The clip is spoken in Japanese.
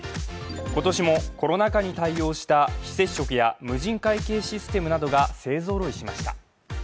今年もコロナ禍に対応した非接触や無人会計システムなどが勢揃いしました。